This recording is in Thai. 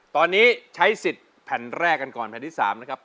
ตอนนี้ใช้สิทธิ์แผ่นแรกกันก่อนแผ่นที่๓นะครับ